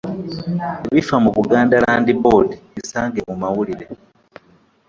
Ebifa mu Buganda Land Board bisange mu mawulire.